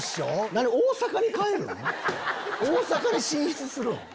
大阪に進出するん？